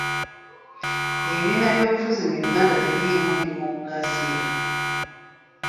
Ebibiina byobufuzi mu Uganda tebiriimu dimokulasiya.